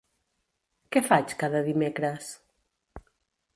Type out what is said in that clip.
Què faig cada dimecres?